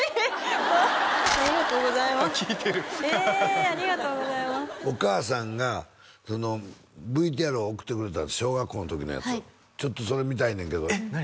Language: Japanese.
わあありがとうございます聞いてるえありがとうございますお母さんがそのＶＴＲを送ってくれた小学校の時のやつをちょっとそれ見たいねんけどえっ何？